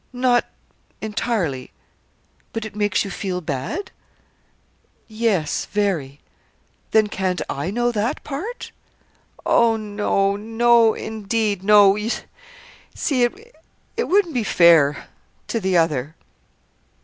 "Not entirely." "But it makes you feel bad?" "Yes very." "Then can't I know that part?" "Oh, no no, indeed, no! You see it wouldn't be fair to the other."